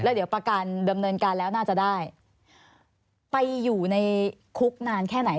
เดี๋ยวประกันดำเนินการแล้วน่าจะได้ไปอยู่ในคุกนานแค่ไหน